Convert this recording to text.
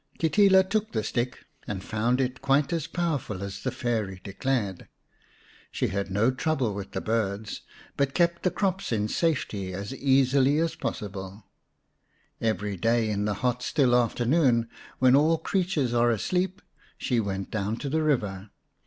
Kitila took the stick, and found it quite as powerful as the Fairy declared. She had no 205 Nya nya Bulembu; xvn trouble with the birds, but kept the crops in safety as easily as possible. Every day in the hot, still afternoon, when all creatures are asleep, she went down to the river.